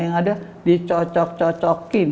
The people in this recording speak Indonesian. yang ada dicocok cocokin